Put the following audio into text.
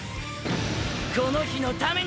この日のために！！